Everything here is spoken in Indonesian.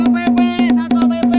satwa pepe satwa pepe